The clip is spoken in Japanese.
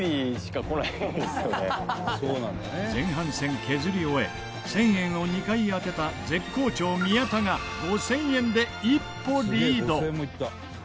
前半戦削り終え１０００円を２回当てた絶好調宮田が５０００円で一歩リード！